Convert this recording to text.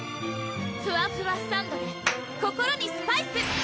ふわふわサンドｄｅ心にスパイス！